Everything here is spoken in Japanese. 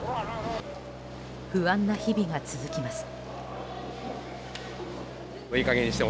不安な日々が続きます。